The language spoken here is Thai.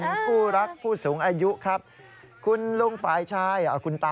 นุ่มฝ่ายาท